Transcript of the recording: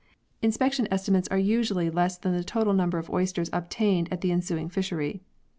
Inspection estimates are usually less than the 76 PEARLS [CH. total number of oysters obtained at the ensuing fishery.